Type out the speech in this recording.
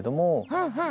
うんうん！